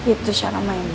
itu cara mainnya